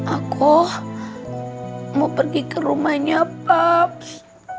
aku mau pergi ke rumahnya pups